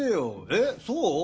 えっそう？